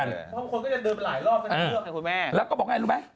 อีกเห็นก็บอกไงรู้ไหม